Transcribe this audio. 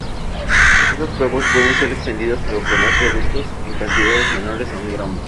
Estas pruebas pueden ser extendidas para obtener productos en cantidades menores a un gramo.